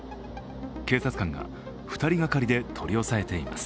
警察官が２人がかりで取り押さえています。